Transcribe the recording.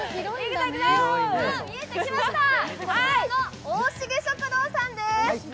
見えてきました、こちらの大重食堂さんです。